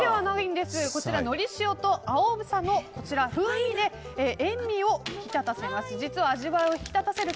こちら、のり塩とあおさの風味で塩みを引き立たせます。